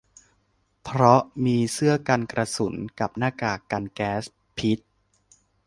เพราะมีเสื้อกันกระสุนกับหน้ากากกันแก๊สพิษ